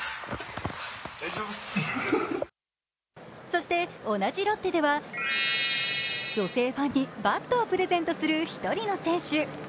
そして同じロッテでは女性ファンのバットをプレゼントする１人の選手。